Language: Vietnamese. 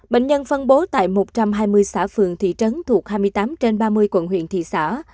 bệnh nhân phân bố tại một trăm hai mươi xã phường thị trấn thuộc hai mươi tám trên ba mươi quận huyện thị xã